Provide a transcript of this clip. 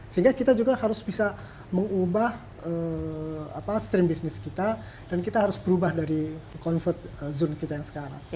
sehingga kita juga harus bisa mengubah stream bisnis kita dan kita harus berubah dari convert zone kita yang sekarang